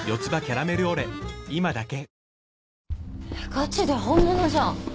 ガチで本物じゃん。